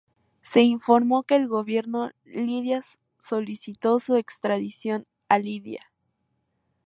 Se informó que el gobierno libio solicitó su extradición a Libia.